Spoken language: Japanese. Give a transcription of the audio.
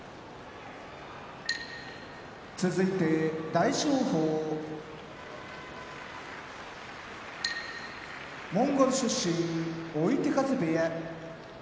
大翔鵬モンゴル出身追手風部屋